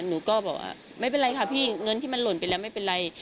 หนูก็บอกว่าไม่เป็นไรค่ะพี่เงินที่มันหล่นไปแล้วไม่เป็นไร